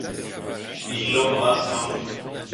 Il l’embrasse dans le cou.